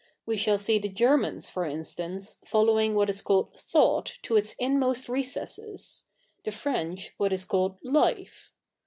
We shall see the Germans^ for i/istance, follo2ving luhat is called Thought to its in?nost recesses^ the French ivhat is called Life.